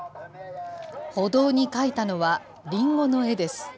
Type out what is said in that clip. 歩道に描いたのは、リンゴの絵です。